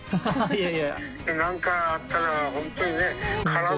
いやいや。